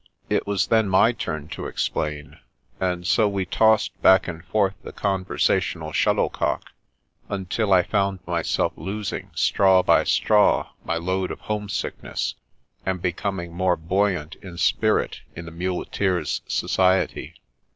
It was then my turn to explain ; and so we tossed back and forth the con versational shuttlecock, until I found myself losing straw by straw my load of homesickness, and be coming more buoyant of spirit in the muleteer's society.